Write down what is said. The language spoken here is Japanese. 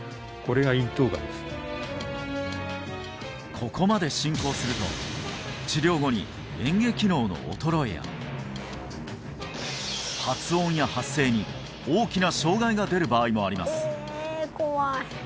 ここまで進行すると治療後に嚥下機能の衰えや発音や発声に大きな障害が出る場合もあります